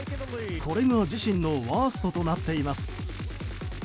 これが自身のワーストとなっています。